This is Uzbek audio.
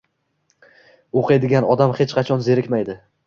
O‘qiydigan odam hech qachon zerikmaydi